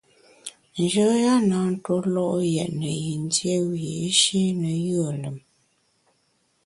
Njoya na tue lo’ yètne yin dié wiyi’shi ne yùe lùm.